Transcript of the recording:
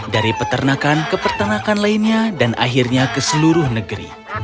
dari peternakan ke peternakan lainnya dan akhirnya ke seluruh negeri